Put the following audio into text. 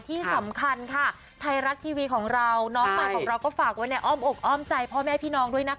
ที่สำคัญค่ะไทยรัฐทีวีของเราน้องใหม่ของเราก็ฝากไว้ในอ้อมอกอ้อมใจพ่อแม่พี่น้องด้วยนะคะ